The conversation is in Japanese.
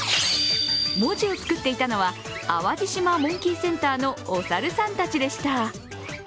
文字をつくっていたのは、淡路島モンキーセンターのお猿さんたちでした。